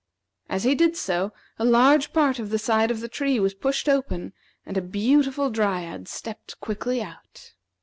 As he did so, a large part of the side of the tree was pushed open, and a beautiful Dryad stepped quickly out.